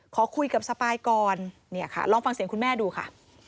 ขอคุยกับสปายก่อนลองฟังเสียงคุณแม่ดูค่ะ